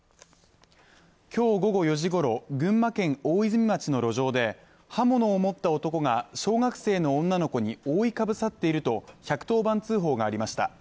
今日午後４時ごろ、群馬県大泉町の路上で刃物を持った男が小学生の女の子に覆いかぶさっていると１１０番通報がありました。